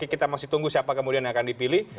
kita masih tunggu siapa kemudian yang akan dipilih